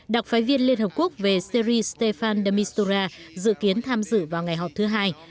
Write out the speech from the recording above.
đặc phái viên liên hợp quốc về syri stefan dmitura dự kiến tham dự vào ngày họp thứ hai